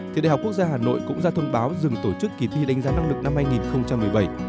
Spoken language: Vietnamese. thì đại học quốc gia hà nội cũng ra thông báo dừng tổ chức kỳ thi đánh giá năng lực năm hai nghìn một mươi bảy